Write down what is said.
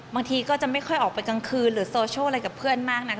บางทีก็จะไม่ค่อยออกไปกลางคืนหรือโซเชียลอะไรกับเพื่อนมากนัก